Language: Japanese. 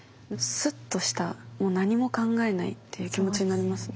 スッとしたもう何も考えないという気持ちになりますね。